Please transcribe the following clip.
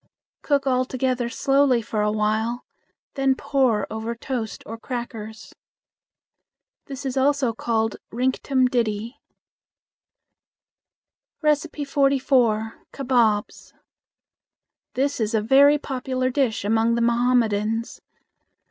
Cook all together slowly for a while, then pour over toast or crackers. This is also called "rinktum ditty." 44. Kabobs. This is a very popular dish among the Mohammedans.